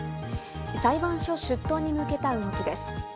裁判所出頭に向けた動きです。